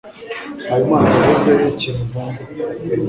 Habimana yavuze ikintu ntumva.